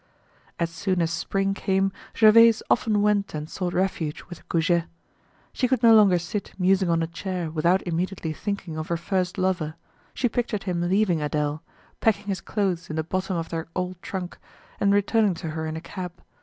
As soon as spring came Gervaise often went and sought refuge with Goujet. She could no longer sit musing on a chair without immediately thinking of her first lover; she pictured him leaving Adele, packing his clothes in the bottom of their old trunk, and returning to her in a cab.